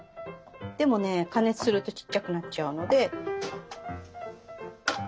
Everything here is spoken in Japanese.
でもね加熱するとちっちゃくなっちゃうので。